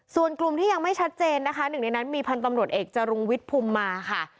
ส่วนกลุ่มที่ยังไม่ชัดเจนนะคะหนึ่งในนั้นมีพันธ์ตำรวจเอกจรุงวิทย์ภูมิมาค่ะ